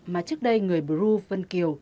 mà trước đây người bru vân kiều